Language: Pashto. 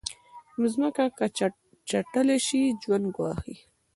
مځکه که چټله شي، ژوند ګواښي.